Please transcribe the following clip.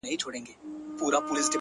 كله؛ كله يې ديدن تــه لـيونـى سم؛